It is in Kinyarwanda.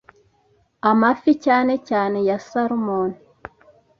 amafi cyane cyane ya salmon,